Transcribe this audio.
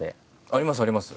ありますあります。